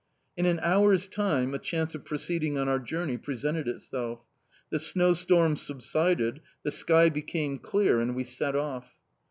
In an hour's time a chance of proceeding on our journey presented itself. The snowstorm subsided, the sky became clear, and we set off.